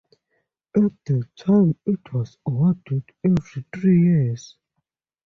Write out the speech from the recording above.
At the time it was awarded every three years.